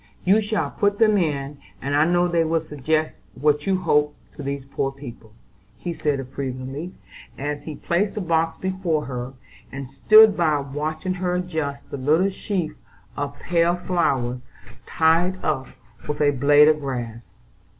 You shall put them in, and I know they will suggest what you hope to these poor people," he said approvingly, as he placed the box before her, and stood by watching her adjust the little sheaf of pale flowers tied up with a blade of grass.